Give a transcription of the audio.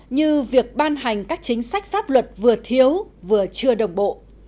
như việc ban hành các chính sách pháp luật vừa thiếu vừa chưa đồng bộ